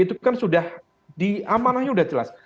itu kan sudah diamanahnya sudah jelas